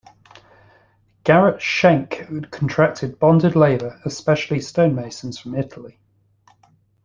Garret Schenck contracted bonded labor, especially stonemasons from Italy.